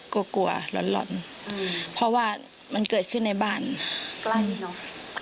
กลัวกลัวหล่อนเพราะว่ามันเกิดขึ้นในบ้านใกล้เนอะ